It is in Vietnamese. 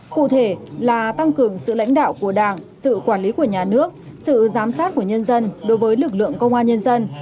cụ thể là tăng cường sự lãnh đạo của đảng sự quản lý của nhà nước sự giám sát của nhân dân đối với lực lượng công an nhân dân